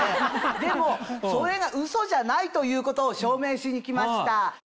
でもそれがうそじゃないということを証明しに来ました。